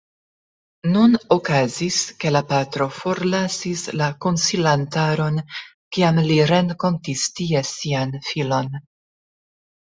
Nun okazis, ke la patro forlasis la konsilantaron, kiam li renkontis tie sian filon.